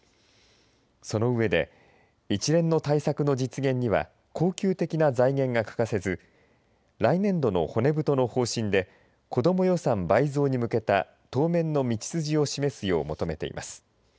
その上で、一連の対策の実現には恒久的な財源が欠かせず来年度の骨太の方針でこども予算倍増に向けた当面の道筋を示すよう求めています。